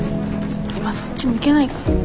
今そっち向けないから。